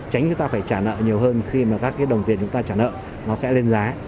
tránh chúng ta phải trả nợ nhiều hơn khi mà các cái đồng tiền chúng ta trả nợ nó sẽ lên giá